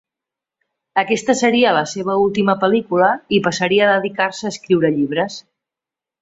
Aquesta seria la seva última pel·lícula i passaria a dedicar-se a escriure llibres.